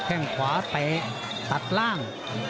แค่งขวาเตะตัดล่าง